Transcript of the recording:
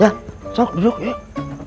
ya sok duduk yuk